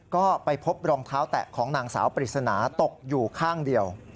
ก็ไปพบรองเท้าแตะของนางสาวปริศนาตกอยู่ข้างเดียว